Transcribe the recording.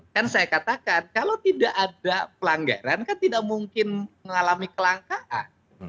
kan saya katakan kalau tidak ada pelanggaran kan tidak mungkin mengalami kelangkaan